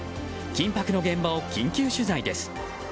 緊迫の現場を緊急取材です。